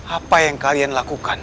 apa yang kalian lakukan